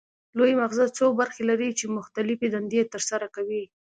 لوی مغزه څو برخې لري چې مختلفې دندې ترسره کوي